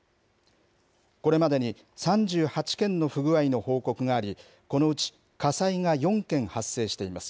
これまでに３８件の不具合の報告があり、このうち火災が４件発生しています。